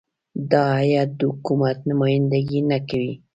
دا هیات د حکومت نمایندګي نه کوي.